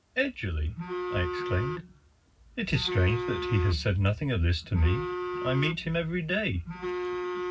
"Edgerly!" I exclaimed. "It is strange that he has said nothing of this to me. I meet him every day."